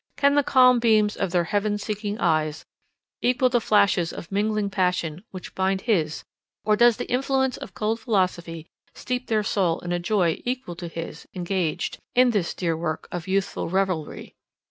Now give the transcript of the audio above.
Can the calm beams of their heaven seeking eyes equal the flashes of mingling passion which blind his, or does the influence of cold philosophy steep their soul in a joy equal to his, engaged In this dear work of youthful revelry.